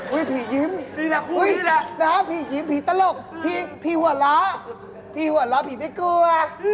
อุ๊ยผียิ้มหนาผียิ้มผีตลกผีหวัดล้าผีหวัดล้าผีไม่กลัว